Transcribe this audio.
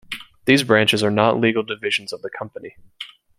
These branches are not legal divisions of the company.